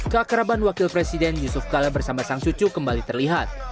keakraban wakil presiden yusuf kala bersama sang cucu kembali terlihat